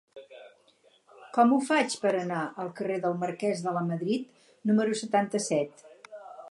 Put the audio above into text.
Com ho faig per anar al carrer del Marquès de Lamadrid número setanta-set?